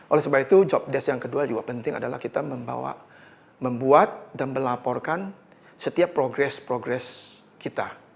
oleh sebab itu job desk yang kedua juga penting adalah kita membawa membuat dan melaporkan setiap progres progres kita